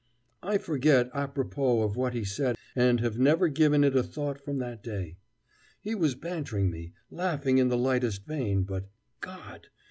I forget à propos of what he said it, and have never given it a thought from that day. He was bantering me, laughing in the lightest vein, but God!